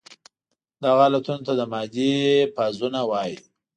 دغه حالتونو ته د مادې فازونه وايي.